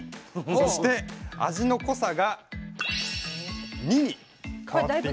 そして味の濃さが２に変わっている